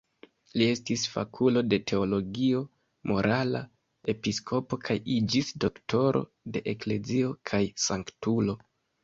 Li estis fakulo de teologio morala, episkopo kaj iĝis Doktoro de eklezio kaj sanktulo.